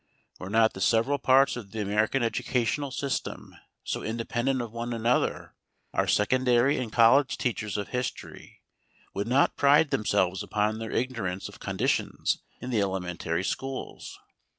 Were not the several parts of the American educational system so independent of one another, our secondary and college teachers of history would not pride themselves upon their ignorance of conditions in the elementary schools.